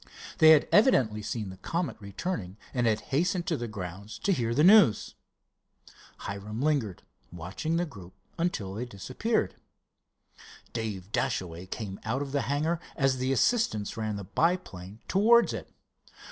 They evidently had seen the Comet returning and had hastened to the grounds to hear the news. Hiram lingered, watching the group until they disappeared. Dave Dashaway came out of the hangar as the assistants ran the biplane towards it.